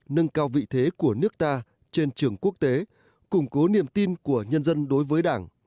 nâng cao vị thế của nước ta trên trường quốc tế củng cố niềm tin của nhân dân đối với đảng